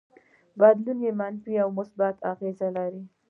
بدلون يې منفي او يا مثبت اغېز لري.